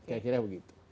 saya kira begitu